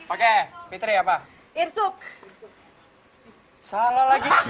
oke fitri apa irsuk salah lagi